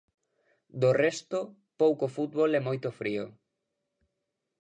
Do resto, pouco fútbol e moito frío.